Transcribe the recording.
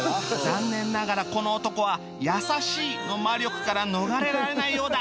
残念ながらこの男は「優しい」の魔力から逃れられないようだ